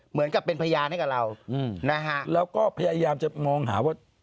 เหมือนกับเป็นพยานให้กับเรานะฮะแล้วก็พยายามจะมองหาว่า